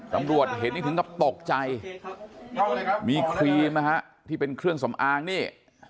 ตำรวจเห็นนี่ถึงกับตกใจมีครีมนะฮะที่เป็นเครื่องสำอางนี่